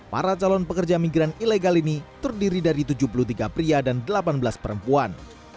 para calon pekerja migran ilegal ini terdiri dari tujuh puluh tiga pria dan delapan belas perempuan